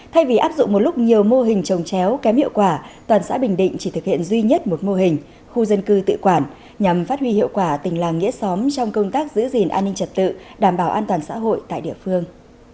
thay vì áp dụng một lúc nhiều mô hình trồng chéo kém hiệu quả toàn xã bình định chỉ thực hiện duy nhất một mô hình khu dân cư tự quản nhằm phát huy hiệu quả tình làng nghĩa xóm trong công tác giữ gìn an ninh trật tự đảm bảo an toàn xã hội tại địa phương